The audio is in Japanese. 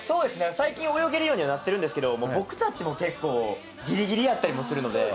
最近泳げるようにはなってるんですけど、僕たちも結構ぎりぎりやったりもするので。